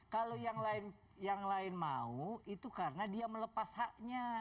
kalau yang lain mau itu karena dia melepas haknya